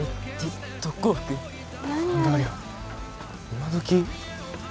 今どき。